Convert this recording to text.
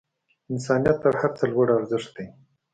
انسانیت تر هر څه لوړ ارزښت دی.